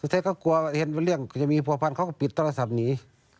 สุดท้ายก็กลัวอย่างเห็นวันเรื่องจะมีประพันธ์เขาก็ปิดตัวรัฐศัพท์หนี